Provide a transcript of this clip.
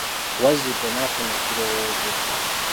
Wazzike n'afuna ekirowoozo.